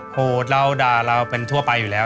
โหดเราด่าเราเป็นทั่วไปอยู่แล้ว